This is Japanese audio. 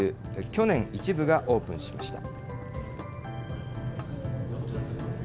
去年、一部がオープンしました。